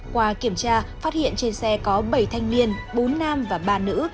qua kiểm tra phát hiện trên xe có bảy thanh niên bốn nam và ba nữ